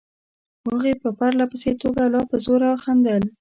خو هغې په پرله پسې توګه لا په زوره خندل.